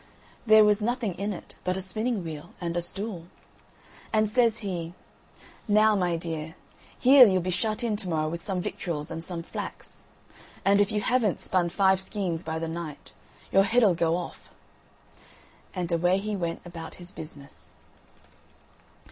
There was nothing in it but a spinning wheel and a stool. And says he: "Now, my dear, here you'll be shut in to morrow with some victuals and some flax, and if you haven't spun five skeins by the night, your head'll go off." And away he went about his business.